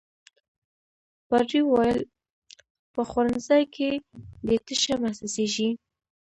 پادري وویل: په خوړنځای کې دي تشه محسوسيږي.